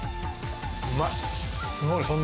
うまい！